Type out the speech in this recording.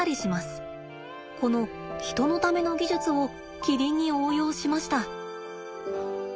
この人のための技術をキリンに応用しました。